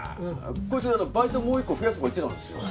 こいつバイトもう一個増やすとか言ってたんですよ。